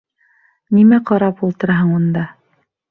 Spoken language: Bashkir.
Нимә ҡарап ултыраһың унда?